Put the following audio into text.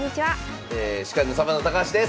司会のサバンナ高橋です。